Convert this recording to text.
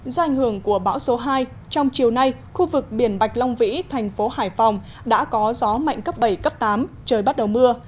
do ảnh hưởng của bão số hai trong chiều nay khu vực biển bạch long vĩ thành phố hải phòng đã có gió mạnh cấp bảy cấp tám trời bắt đầu mưa